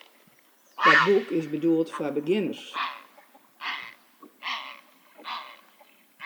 Dat boek is bedoeld foar begjinners.